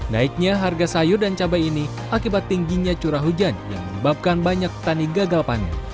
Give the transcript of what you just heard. naiknya harga sayur dan cabai ini akibat tingginya curah hujan yang menyebabkan banyak petani gagal panen